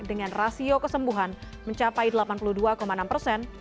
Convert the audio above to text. dengan rasio kesembuhan mencapai delapan puluh dua enam persen